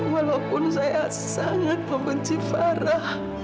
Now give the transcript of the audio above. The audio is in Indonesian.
walaupun saya sangat membenci farah